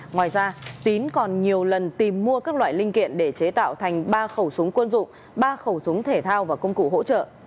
ngoài ra tín còn nhiều lần tìm mua các loại linh kiện để chế tạo thành ba khẩu súng quân dụng ba khẩu súng thể thao và công cụ hỗ trợ